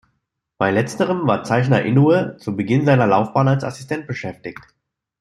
Bei Letzterem war Zeichner Inoue zu Beginn seiner Laufbahn als Assistent beschäftigt.